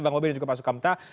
bang obe dan juga pak sukamta